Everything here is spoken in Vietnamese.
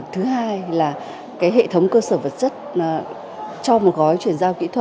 thứ hai là hệ thống cơ sở vật chất cho một gói chuyển giao kỹ thuật